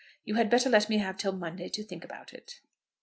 You had better let me have till Monday to think about it."